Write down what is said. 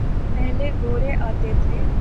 پہلے گورے آتے تھے۔